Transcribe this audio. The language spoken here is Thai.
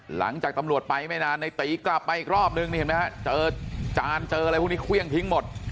หลังจากตำรวจไปไม่นานในตีกลับมาอีกรอบนึงนี่เห็นไหมฮะเจอจานเจออะไรพวกนี้เครื่องทิ้งหมด